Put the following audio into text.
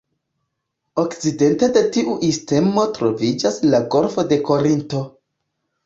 Okcidente de tiu istmo troviĝas la Golfo de Korinto.